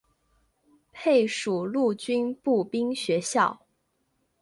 配属陆军步兵学校。